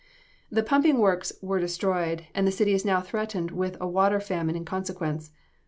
"The pumping works were destroyed, and the city is now threatened with a water famine in consequence.